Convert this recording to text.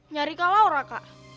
nyari kak laura kak